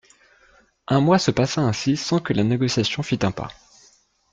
Un mois se passa ainsi sans que le négociation fît un pas.